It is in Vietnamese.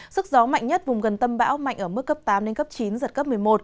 sức gió mạnh nhất vùng gần tâm bão mạnh ở mức cấp tám chín giật cấp một mươi một